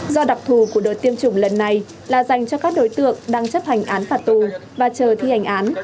do đặc thù của đợt tiêm chủng lần này là dành cho các đối tượng đang chấp hành án phạt tù và chờ thi hành án